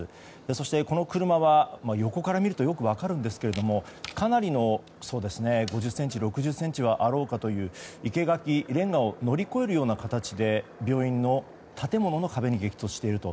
そして、この車は横から見るとよく分かるんですが５０ｃｍ、６０ｃｍはあろうかという生け垣、れんがを乗り越える形で病院の建物の壁に激突していると。